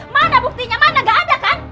mana buktinya mana gak ada kan